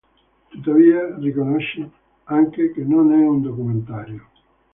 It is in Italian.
Tuttavia, riconosce anche che non è un documentario.